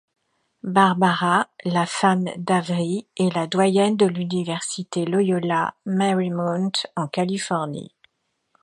Barbara, la femme d'Avery, est la doyenne de l'université Loyola Marymount en Californie.